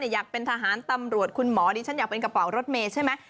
อยากเป็นทหารตำรวจคุณหมอดิฉันอยากเป็นกระเป๋ารถเมย์ใช่ไหม